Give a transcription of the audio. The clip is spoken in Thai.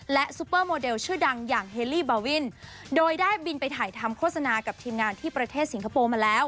ซุปเปอร์โมเดลชื่อดังอย่างเฮลี่บาวินโดยได้บินไปถ่ายทำโฆษณากับทีมงานที่ประเทศสิงคโปร์มาแล้ว